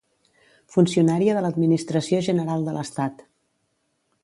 Funcionària de l'Administració General de l'Estat.